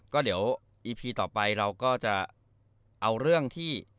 ก็เดี๋ยวอีพีต่อไปเราก็จะเอาเรื่องที่